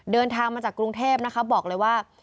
เดินทางมาจากกรุงเทพนะคะบอกเลยว่า